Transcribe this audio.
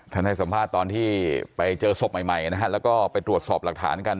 ให้สัมภาษณ์ตอนที่ไปเจอศพใหม่นะฮะแล้วก็ไปตรวจสอบหลักฐานกัน